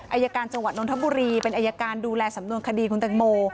อายการจังหวัดนทบุรีเป็นอายการดูแลสำนวนคดีคุณตังโม